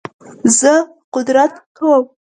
زه قدر کوم